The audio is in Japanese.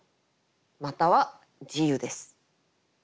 または自由です。